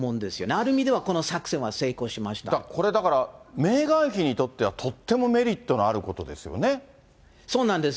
ある意味ではこの作戦は成功しまだからこれ、だからメーガン妃にとってはとってもメリッそうなんです。